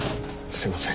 すいません